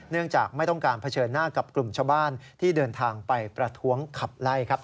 จากไม่ต้องการเผชิญหน้ากับกลุ่มชาวบ้านที่เดินทางไปประท้วงขับไล่ครับ